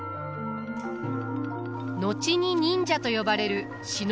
後に忍者と呼ばれる忍びの者。